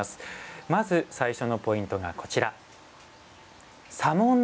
まず最初のポイントがこちら。